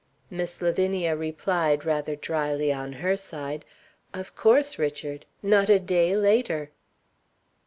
Miss Lavinia replied, rather dryly on her side, "Of course, Richard; not a day later."